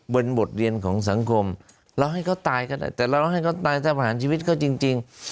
บทเรียนของสังคมเราให้เขาตายก็ได้แต่เราให้เขาตายถ้าประหารชีวิตเขาจริง